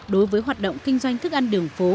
đối với hoạt động kinh doanh thức ăn đường phố